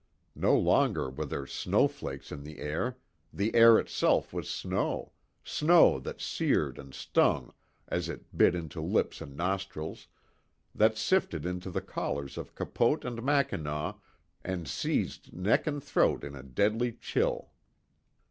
No longer were there snow flakes in the air the air itself was snow snow that seared and stung as it bit into lips and nostrils, that sifted into the collars of capote and mackinaw, and seized neck and throat in a deadly chill.